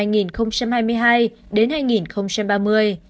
giai đoạn năm hai nghìn hai mươi hai hai nghìn ba mươi